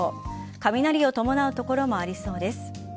雷を伴う所もありそうです。